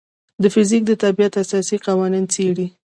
فزیک د طبیعت اساسي قوانین څېړي.